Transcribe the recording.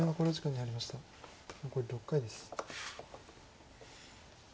残り６回です。